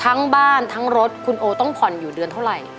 ทั้งบ้านทั้งรถคุณโอต้องผ่อนอยู่เดือนเท่าไหร่